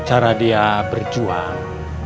cara dia berjuang